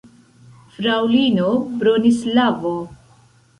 Fraŭlino Bronislavo!